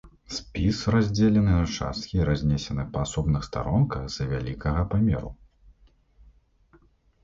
Спіс раздзелены на часткі і разнесены па асобных старонках з-за вялікага памеру.